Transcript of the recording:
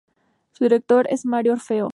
Su director es Mario Orfeo.